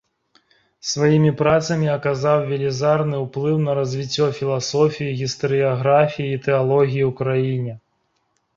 Сваімі працамі аказаў велізарны ўплыў на развіццё філасофіі, гістарыяграфіі і тэалогіі ў краіне.